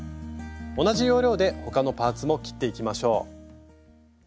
同じ要領で他のパーツも切っていきましょう。